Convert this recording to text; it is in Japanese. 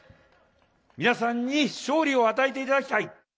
皆さんに勝利を与えていただきたい。